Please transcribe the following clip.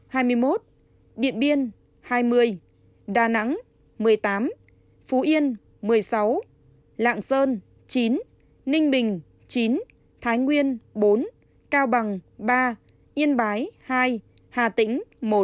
quảng nam bốn mươi ba bắc giang bốn mươi một đà nẵng ba mươi phú yên một mươi sáu lạng sơn chín ninh bình chín thái nguyên bốn cao bằng ba yên bái hai hà tĩnh một